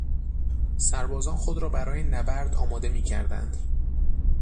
سربازان خود را برای نبرد آماده میکردند.